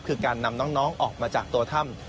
คือการนำน้องออกมาจากตัวถ้ำ